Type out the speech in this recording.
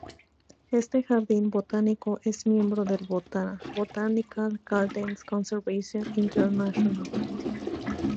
Este jardín botánico es miembro del Botanical Gardens Conservation International.